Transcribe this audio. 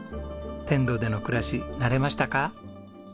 天童での暮らし慣れましたか？